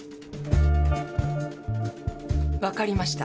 分かりました。